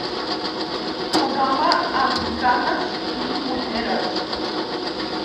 Un home amb canes i ulleres.